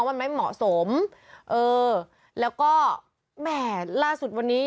มันไม่เหมาะสมเออแล้วก็แหม่ล่าสุดวันนี้